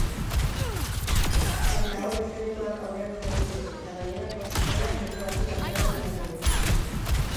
Cantaor izenekoak aurrean jarraitu du eta gainerako zezenak metro batzuk atzerago geratu dira.